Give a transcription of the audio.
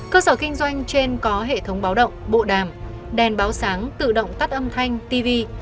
cơ sở kinh doanh trên có hệ thống báo động bộ đàm đèn báo sáng tự động tắt âm thanh tv